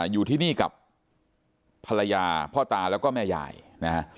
อยู่ที่นี่กับภรรยาพ่อตาแล้วก็แม่ยายนะฮะ